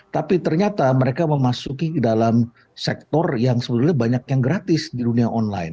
tapi ternyata mereka memasuki dalam sektor yang sebenarnya banyak yang gratis di dunia online